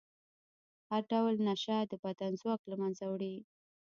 هر ډول نشه د بدن ځواک له منځه وړي.